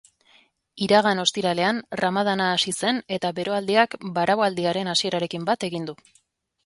Iragan ostiralean ramadana hasi zen eta beroaldiak baraualdiaren hasierarekin bat egin du.